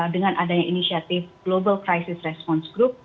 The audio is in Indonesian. dengan adanya inisiatif global crisis response group